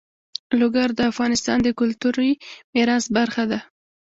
لوگر د افغانستان د کلتوري میراث برخه ده.